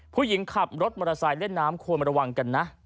ผู้หญิงขับรถมอเตอร์ไซค์เล่นน้ำควรระวังกันนะ